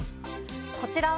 こちらは。